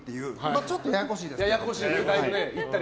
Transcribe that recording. ちょっとややこしいですけど。